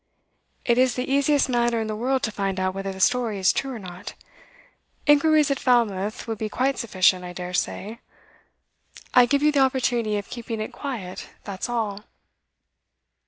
'It is the easiest matter in the world to find out whether the story is true or not. Inquiries at Falmouth would be quite sufficient, I dare say. I give you the opportunity of keeping it quiet, that's all.